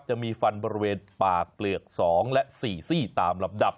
จะมีฟันบริเวณปากเปลือก๒และ๔ซี่ตามลำดับ